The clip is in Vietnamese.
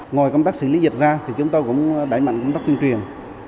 ngoài công tác xử lý dịch ra thì chúng tôi cũng đẩy mạnh công tác tuyên truyền